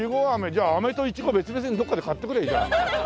じゃああめといちご別々にどっかで買ってくりゃいいじゃん。